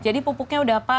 jadi pupuknya udah apa